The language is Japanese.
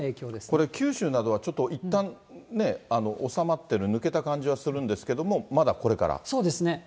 これ、九州などはちょっといったんね、収まってる、抜けた感じはするんですそうですね。